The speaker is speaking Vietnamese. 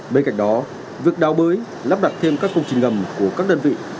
bên cạnh đó việc đào bới lắp đặt thêm các công trình ngầm của các đơn vị